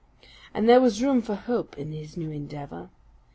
And there was room for hope in his new endeavour.